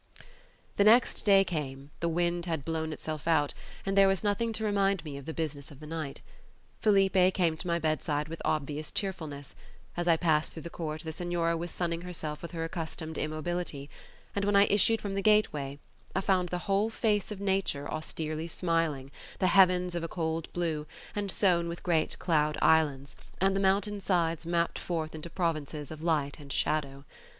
The next day came, the wind had blown itself out, and there was nothing to remind me of the business of the night. Felipe came to my bedside with obvious cheerfulness; as I passed through the court, the Senora was sunning herself with her accustomed immobility; and when I issued from the gateway, I found the whole face of nature austerely smiling, the heavens of a cold blue, and sown with great cloud islands, and the mountain sides mapped forth into provinces of light and shadow.